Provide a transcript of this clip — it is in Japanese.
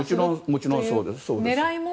もちろんそうです。